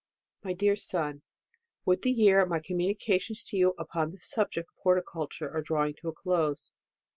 My Dear Sox, With the year, my communications to vou upon the subject of horticulture are drawing to a close.